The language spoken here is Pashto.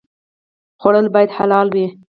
خوړل باید حلال وي